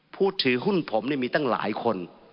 ผู้ถือหุ้นผมมีตั้งหลายคน